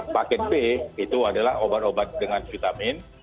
paket b itu adalah obat obat dengan vitamin